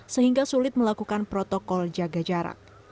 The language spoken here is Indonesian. sehingga sulit melakukan protokol jaga jarak